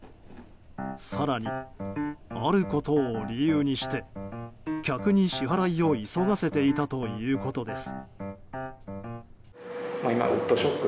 更に、あることを理由にして客に支払いを急がせていたということです。